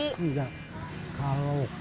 itu dibagiin ke siapa